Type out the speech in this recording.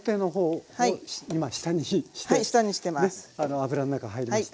油の中入りました。